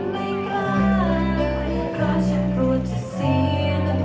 ได้แค่พีชสักตาเท่านั้น